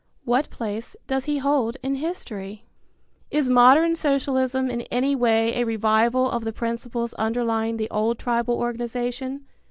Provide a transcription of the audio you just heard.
What place does he hold in history? Is modern socialism in any way a revival of the principles underlying the old tribal organization?